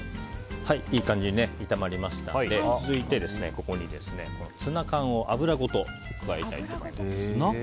いい感じに炒まりましたので続いて、ここにツナ缶を油ごと加えたいと思います。